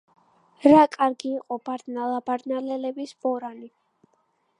რა კარგი იყო ბარდნალა, ბარდნალელების ბორანი